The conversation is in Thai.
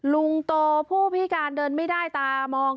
ลุงโตผู้พิการเดินไม่ได้ตามอง